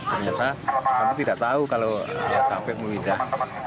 ternyata kami tidak tahu kalau sampai memindah